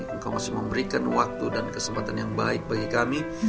engkau masih memberikan waktu dan kesempatan yang baik bagi kami